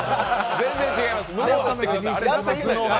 全然違います。